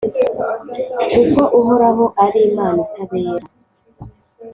kuko Uhoraho ari Imana itabera: